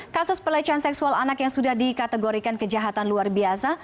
kasus pelecehan seksual anak yang sudah dikategorikan kejahatan luar biasa